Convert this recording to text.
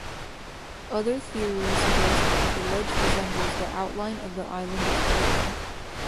Other theories suggest that the ledge resembles the outline of the island of Cuba.